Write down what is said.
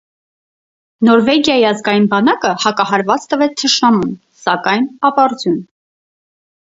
Նորվեգիայի ազգային բանակը հակահարված տվեց թշնամուն, սակայն ապարդյուն։